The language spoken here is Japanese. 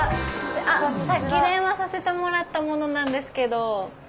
さっき電話させてもらった者なんですけど。